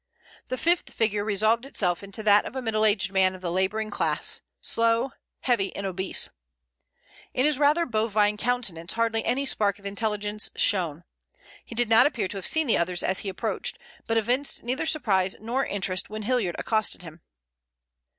The fifth figure resolved itself into that of a middle aged man of the laboring class, slow, heavy, and obese. In his rather bovine countenance hardly any spark of intelligence shone. He did not appear to have seen the others as he approached, but evinced neither surprise nor interest when Hilliard accosted him.